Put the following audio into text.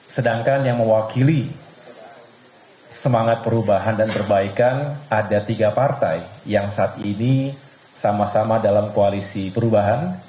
sedangkan yang mewakili semangat perubahan dan perbaikan ada tiga partai yang saat ini sama sama dalam koalisi perubahan